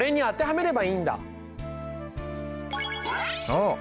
そう。